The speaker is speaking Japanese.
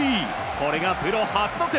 これがプロ初得点。